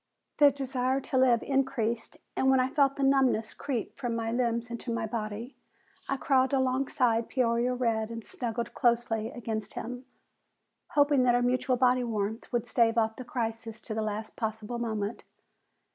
The desire to live increased, and when I felt the numbness creep from my limbs into my body, I crawled alongside Peoria Red and snuggled closely against him, hoping that our mutual body warmth would stave off the crisis to the last possible moment.